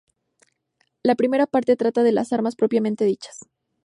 La primera parte trata de las armas propiamente dichas.